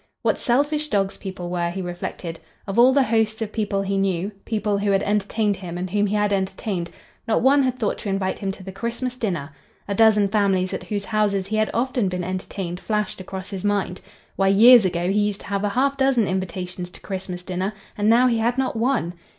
What selfish dogs people were, he reflected. Of all the hosts of people he knew,—people who had entertained him and whom he had entertained,—not one had thought to invite him to the Christmas dinner. A dozen families at whose houses he had often been entertained flashed across his mind. Why, years ago he used to have a half dozen invitations to Christmas dinner, and now he had not one!